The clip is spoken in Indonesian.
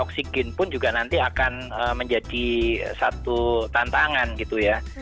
dan oksigen pun juga nanti akan menjadi satu tantangan gitu ya